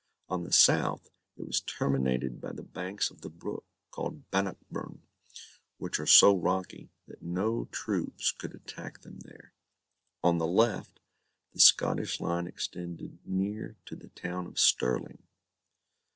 On the south, it was terminated by the banks of the brook called Bannockburn, which are so rocky, that no troops could attack them there. On the left, the Scottish line extended near to the town of Stirling.